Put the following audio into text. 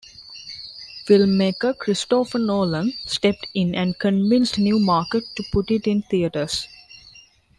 Filmmaker Christopher Nolan stepped in and convinced Newmarket to put it in theaters.